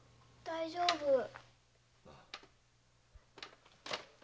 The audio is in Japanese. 大丈夫。